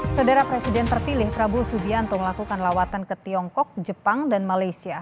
saudara presiden terpilih prabowo subianto melakukan lawatan ke tiongkok jepang dan malaysia